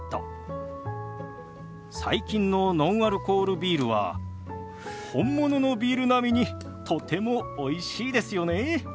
最近のノンアルコールビールは本物のビール並みにとてもおいしいですよね。